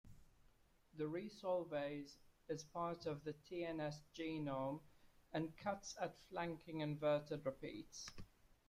The resolvase is part of the tns genome and cuts at flanking inverted repeats.